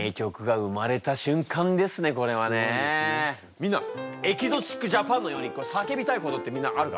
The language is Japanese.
みんな「エキゾチック・ジャパン」のようにさけびたいことってみんなあるか？